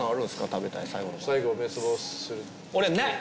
食べたい最後の最後の滅亡する俺ない！